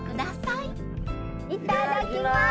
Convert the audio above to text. いただきます。